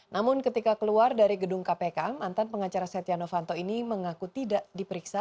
namun ketika keluar dari gedung kpk mantan pengacara setia novanto ini mengaku tidak diperiksa